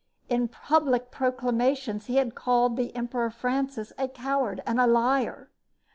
In public proclamations he had called the Emperor Francis a coward and a liar.